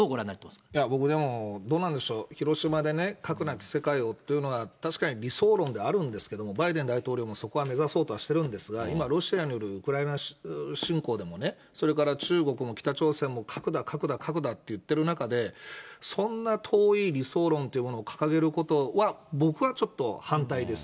いや、僕でも、どうなんでしょう、広島でね、核なき世界をというのは、確かに理想論であるんですけれども、バイデン大統領もそこは目指そうとはしてるんですが、今、ロシアによるウクライナ侵攻でもね、それから中国も北朝鮮も、核だ、核だ、核だって言ってる中で、そんな、遠い理想論というものを掲げることは、僕はちょっと反対です。